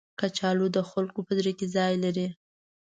کچالو د خلکو په زړه کې ځای لري